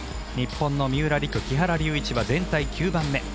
日本の三浦璃来、木原龍一は全体９番目。